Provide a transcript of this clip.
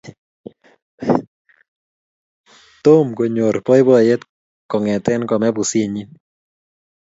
Tom konyor poipoiyet kong'ete kome pusit nyi